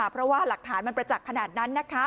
เพราะว่าหลักฐานมันประจักษ์ขนาดนั้นนะคะ